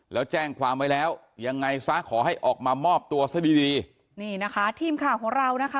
แล้วแจ้งความไว้แล้วยังไงซะขอให้ออกมามอบตัวซะดีดีนี่นะคะทีมข่าวของเรานะคะ